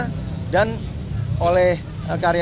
tertembak di bagian punggung kemudian yang bersangkutan keluar